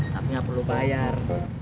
tapi gak perlu bayar